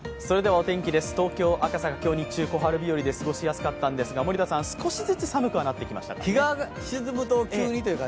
お天気です、東京・赤坂、今日日中小春日和で過ごしやすかったんですが、森田さん、少しずつ寒くはなってきましたかね。